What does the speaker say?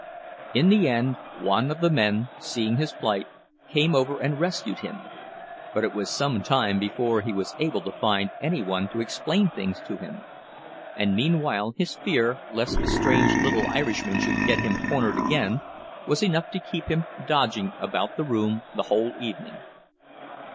In the end one of the men, seeing his plight, came over and rescued him; but it was some time before he was able to find any one to explain things to him, and meanwhile his fear lest the strange little Irishman should get him cornered again was enough to keep him dodging about the room the whole evening.